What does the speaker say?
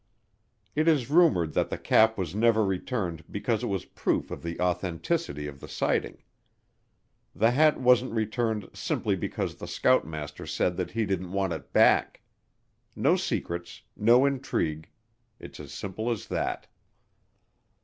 It is rumored that the cap was never returned because it was proof of the authenticity of the sighting. The hat wasn't returned simply because the scoutmaster said that he didn't want it back. No secrets, no intrigue; it's as simple as that.